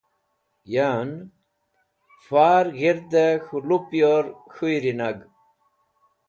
Yan, far g̃hirde k̃hũ lupyor k̃hũy’ri nag.